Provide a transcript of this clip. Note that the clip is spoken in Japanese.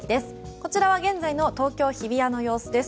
こちらは現在の東京・日比谷の様子です。